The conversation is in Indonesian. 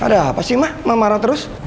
ada apa sih ma ma marah terus